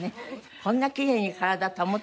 こんなきれいに体保って。